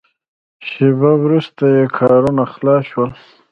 شېبه وروسته یې کارونه خلاص شول.